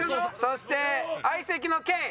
そして相席のケイ。